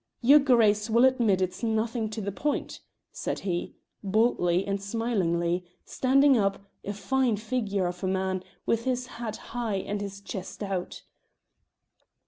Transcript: "Your Grace will admit it's nothing to the point," said he, boldly, and smilingly, standing up, a fine figure of a man, with his head high and his chest out.